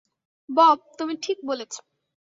Bob, তুমি ঠিক বলেছ।